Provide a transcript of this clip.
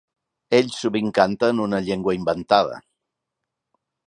Ell sovint canta en una llengua inventada.